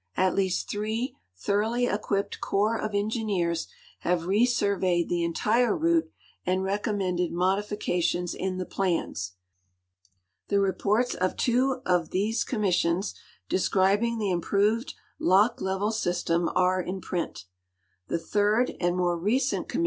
At least three thoroughly e(iuip|)ed eorj)S of engineers have resurveyed the entire route and recommended modifications in the plans. The rejiorts of two of these commissions descrihing the ini|)roved lock level .system are in print. 'I'he third and more recent com mi.